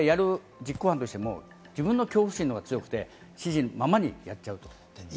実行犯としても自分の恐怖心のほうが強くて、指示のままにやっちゃうと。